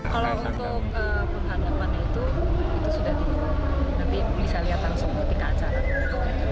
kalau untuk perhatian mana itu itu sudah diperhatikan